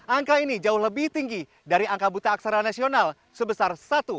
angka ini jauh lebih tinggi dari angka buta aksara nasional sebesar satu